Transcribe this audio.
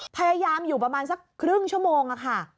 พยายามอยู่ประมาณสักครึ่งชั่วโมงค่ะ